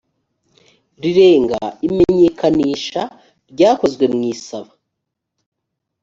rirenga imenyekanisha ryakozwe mu isaba